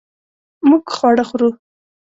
مونږ خواړه خورو